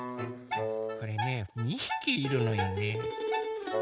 これね２ひきいるのよね。